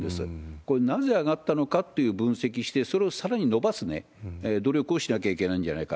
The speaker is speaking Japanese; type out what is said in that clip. これ、なぜ上がったのかっていう分析して、それをさらに伸ばす努力をしなきゃいけないんじゃないか。